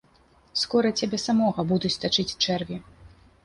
Скора цябе самога будуць тачыць чэрві.